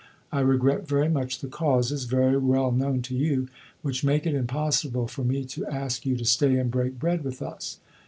I regret very much the causes (very well known to you), which make it impossible for me to ask you to stay and break bread with us."